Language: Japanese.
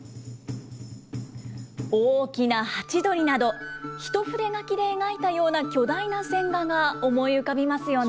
大きなハチドリなど、一筆書きで描いたような巨大な線画が思い浮かびますよね。